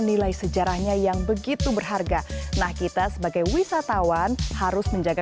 nilai sejarahnya yang begitu berharga nah kita sebagai wisatawan harus menjaga